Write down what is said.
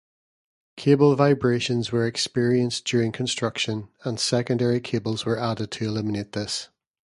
Cable vibrations were experienced during construction and secondary cables were added to eliminate this.